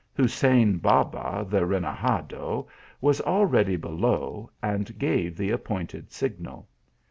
Hussein Baba, the renegado, was already below, and gave the ap pointed signal.